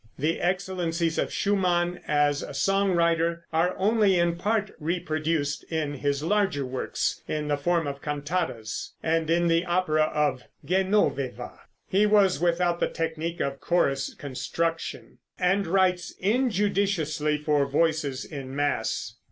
The excellencies of Schumann as a song writer are only in part reproduced in his larger works in the form of cantatas, and in the opera of "Genoveva." He was without the technique of chorus construction, and writes injudiciously for voices in mass.